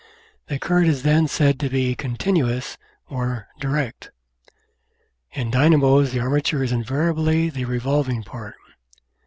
The current is then said to be "continuous," or "direct." In dynamos the armature is invariably the revolving part.